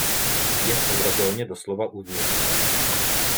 Je v eurozóně doslova uvězněno.